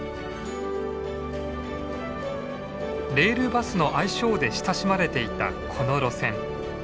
レールバスの愛称で親しまれていたこの路線。